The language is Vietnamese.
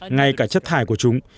ngay cả chất thải của chúng